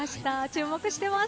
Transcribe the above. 注目しています。